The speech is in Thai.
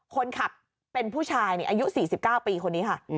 คนขับเป็นผู้ชายอายุ๔๙ปีคนนี้ค่ะ